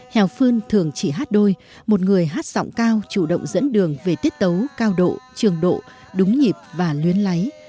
hèo phương thường chỉ hát đôi một người hát giọng cao chủ động dẫn đường về tiết tấu cao độ trường độ đúng nhịp và luyến lấy